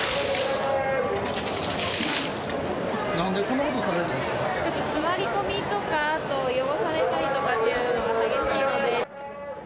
なんでこんなことされるんで座り込みとか、あと、汚されたりとかっていうのが激しいので。